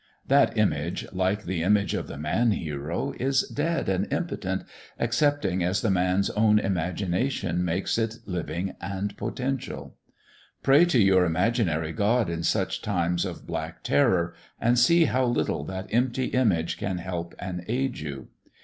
That image, like the image of the man hero, is dead and impotent excepting as the man's own imagination makes it living and potential. Pray to your imaginary God in such times of black terror, and see how little that empty image can help and aid you.